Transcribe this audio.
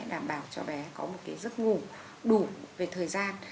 đảm bảo cho bé có một cái giấc ngủ đủ về thời gian